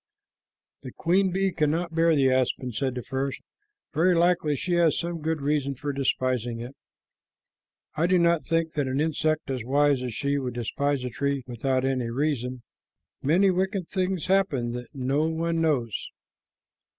"The queen bee cannot bear the aspen," said the first. "Very likely she has some good reason for despising it. I do not think that an insect as wise as she would despise a tree without any reason. Many wicked things happen that no one knows."